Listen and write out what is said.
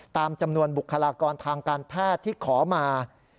ตามจำนวนบุคลากรทางการแพทย์ที่ขอมา